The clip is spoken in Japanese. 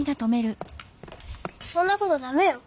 そんなことだめよ。